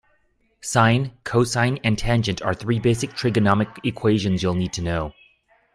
Sine, cosine and tangent are three basic trigonometric equations you'll need to know.